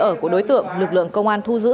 ở của đối tượng lực lượng công an thu giữ